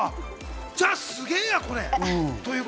じゃあ、すげえやこれ。